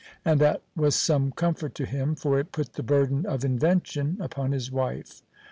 And that was some comfort to him, for it put the burden of invention upon his wife.